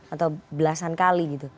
atau belasan kali gitu